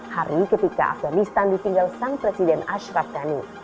hari ketika afganistan ditinggal sang presiden ashraf ghani